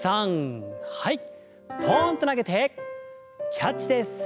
ポンと投げてキャッチです。